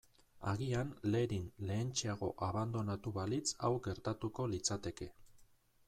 Agian Lerin lehentxeago abandonatu balitz hau gertatuko litzateke.